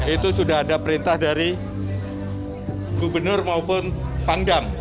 itu sudah ada perintah dari gubernur maupun pangdam